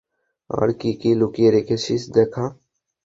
আর কী কী লুকিয়ে রেখেছিস দেখা।